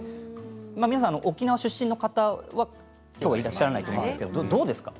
皆さん、沖縄出身の方はきょうはいらっしゃらないですけれども、どうですか？